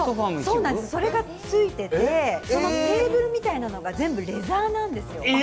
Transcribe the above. それがついててテーブルみたいなのが全部、レザーなんです。